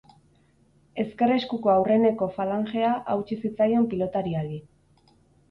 Ezker eskuko aurreneko falangea hautsi zitzaion pilotariari.